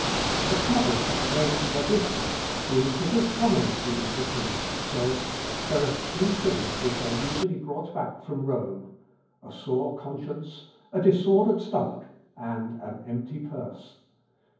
A traveller named Vadiscus, who figures prominently in the piece, says, "There are three things which are usually brought back from Rome, a sore conscience, a disordered stomach, and an empty purse.